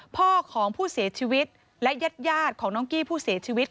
พ่อของผู้เสียชีวิตและญาติของน้องกี้ผู้เสียชีวิต